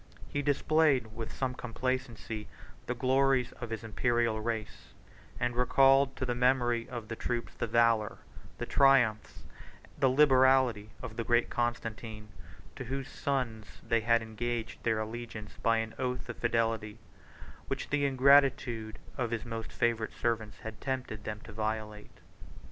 He displayed, with some complacency, the glories of his Imperial race; and recalled to the memory of the troops the valor, the triumphs, the liberality of the great Constantine, to whose sons they had engaged their allegiance by an oath of fidelity, which the ingratitude of his most favored servants had tempted them to violate.